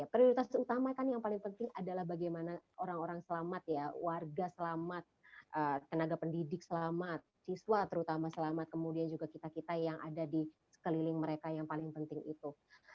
prioritas utama kan yang paling penting adalah bagaimana orang orang selamat ya warga selamat tenaga pendidik selamat siswa terutama selamat kemudian juga kita kita yang ada di sekeliling mereka yang paling penting itu